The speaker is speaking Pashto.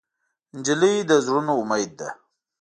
نجلۍ د زړونو امید ده.